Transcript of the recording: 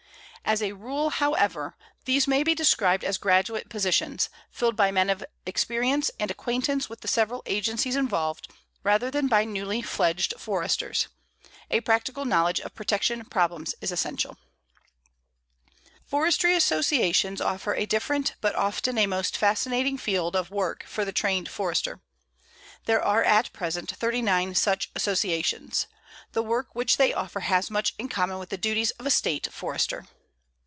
"As a rule, however, these may be described as graduate positions, filled by men of experience and acquaintance with the several agencies involved, rather than by newly fledged Foresters. A practical knowledge of protection problems is essential." Forestry associations offer a different, but often a most fascinating field, of work for the trained Forester. There are at present 39 such associations. The work which they offer has much in common with the duties of a State Forester.